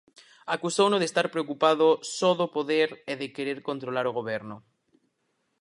Acusouno de estar preocupado só do poder e de querer controlar o goberno.